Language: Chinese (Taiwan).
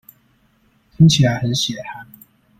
聽起來很血汗